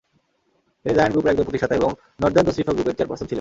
তিনি জায়ান্ট গ্রুপের একজন প্রতিষ্ঠাতা এবং নর্দান তসরিফা গ্রুপের চেয়ারপারসন ছিলেন।